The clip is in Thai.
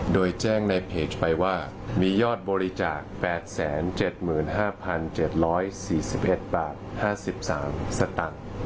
โดยแจ้งในเพจไปว่ามียอดบริจาค๘๗๕๗๔๑บาท๕๓สตังค์